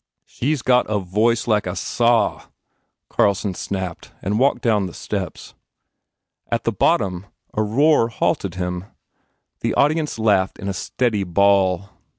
"She s got a voice like a saw," Carlson snapped and walked down the steps. At the bottom a roar halted him. The audience laughed in a steady bawl.